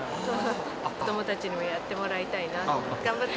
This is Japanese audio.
子どもたちにもやってもらいたいなって。